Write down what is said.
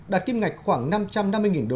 đạt kiếm ngạch khoảng năm trăm năm mươi usd